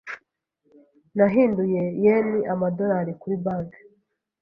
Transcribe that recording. Nahinduye yen amadolari kuri banki .